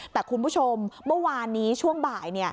แต่คุณผู้ชมเมื่อวานนี้ช่วงบ่าย